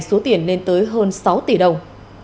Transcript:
số tiền lên tới hơn sáu tỷ đồng